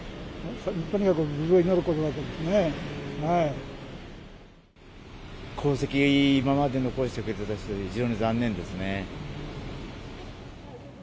とにかく無事を祈ることだけです功績、今まで残してくれた人で、非常に残念ですね。